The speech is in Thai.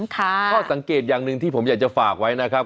ข้อสังเกตอย่างหนึ่งที่ผมอยากจะฝากไว้นะครับ